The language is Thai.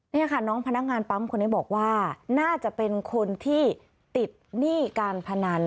นี่ค่ะน้องพนักงานปั๊มคนนี้บอกว่าน่าจะเป็นคนที่ติดหนี้การพนัน